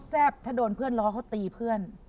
เจ๋บถ้าโดนเพื่อนร้องว่าตีเพื่อน